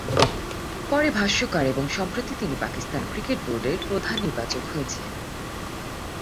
পরে ভাষ্যকার এবং সম্প্রতি তিনি পাকিস্তান ক্রিকেট বোর্ডের প্রধান নির্বাচক হয়েহিলেন।